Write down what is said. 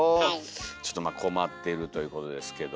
ちょっと困ってるということですけども。